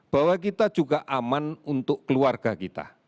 bahwa kita juga aman untuk keluarga kita